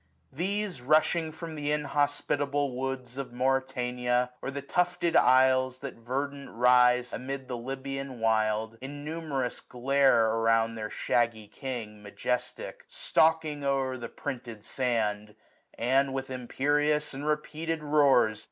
These, rushing from th* inhospitable woods Of Mauritania, or the tufted isles. That verdant rise amid the Lybian wild, Innumerous glare around their shaggy king gi^ Majestic, stalking o'er the printed sand 5 And, with imperious and repeated roars.